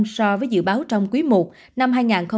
so với dự báo trong quý i năm hai nghìn hai mươi